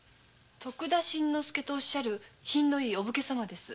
徳田新之助とおっしゃる品のいいお武家様です。